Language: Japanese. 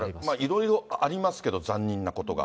いろいろありますけど、残忍なことが。